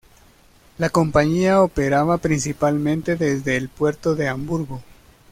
La compañía operaba principalmente desde el puerto de Hamburgo.